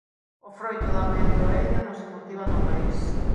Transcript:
O froito da amendoeira non se cultiva no país.